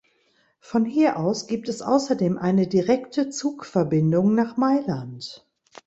Von hier aus gibt es außerdem eine direkte Zugverbindung nach Mailand.